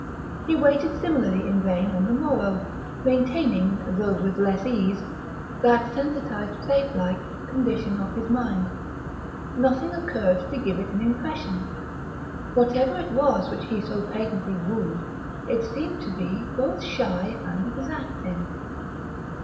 He waited similarly in vain on the morrow, maintaining, though with less ease, that sensitised plate like condition of his mind. Nothing occurred to give it an impression. Whatever it was which he so patiently wooed, it seemed to be both shy and exacting.